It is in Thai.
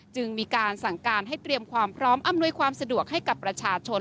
จึงมีการสั่งการให้เตรียมความพร้อมอำนวยความสะดวกให้กับประชาชน